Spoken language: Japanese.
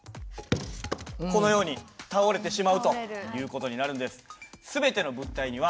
このように倒れてしまうという事になるんです。